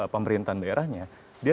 pemerintahan daerahnya dia